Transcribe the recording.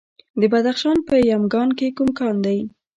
د بدخشان په یمګان کې کوم کان دی؟